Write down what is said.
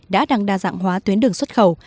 đã đang đa dạng hóa tuyến đường xuất khẩu